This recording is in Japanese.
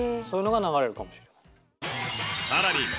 そういうのが流れるかもしれない。